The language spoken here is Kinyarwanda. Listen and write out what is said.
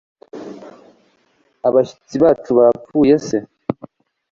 Abashyitsi bacu bapfuye se!